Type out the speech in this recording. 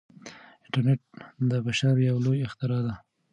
انټرنیټ د بشر یو لوی اختراع دی.